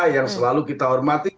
yang selalu kita hormati